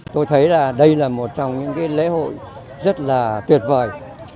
tôi thấy là đây là một trong những lễ hội rất là tuyệt vời